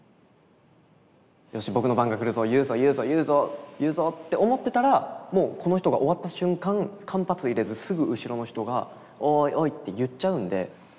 「よし僕の番が来るぞ言うぞ言うぞ言うぞ言うぞ」って思ってたらもうこの人が終わった瞬間間髪いれずすぐ後ろの人が「おいおい」って言っちゃうんで。